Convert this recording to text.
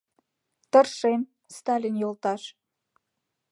— Тыршем, Сталин йолташ!